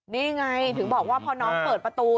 นี่ไงถึงบอกว่าพอน้องเปิดประตู